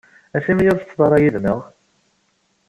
Acimi ur ttetteḍ ara yid-neɣ?